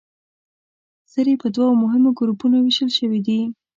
سرې په دوو مهمو ګروپونو ویشل شوې دي.